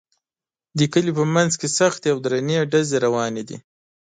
د کلي په منځ کې سختې او درندې ډزې روانې دي